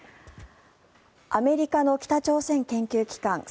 アメリカの北朝鮮研究機関３８